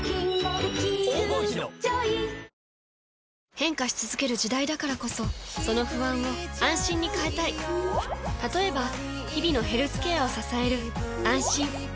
変化し続ける時代だからこそその不安を「あんしん」に変えたい例えば日々のヘルスケアを支える「あんしん」